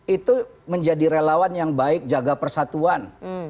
itu menjadi relawan yang baik jaga persatuan